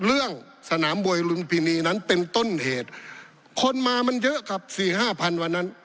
เรื่องสนามมวยลุมพินีนั้นเป็นต้นเหตุคนมามันเยอะครับสี่ห้าพันวันนั้น